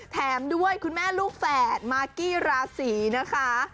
แถมด้วยคุณแม่ลูกแฝดมากกี้ราศีนะคะ